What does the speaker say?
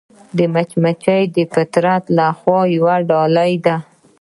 مچمچۍ د فطرت له خوا یوه ډالۍ ده